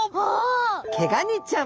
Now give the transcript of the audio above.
ケガニちゃん。